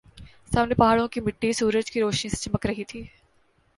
سامنے پہاڑوں کی مٹی سورج کی روشنی سے چمک رہی تھی